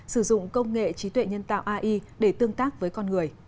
sử dụng công nghệ trí tuệ nhân tạo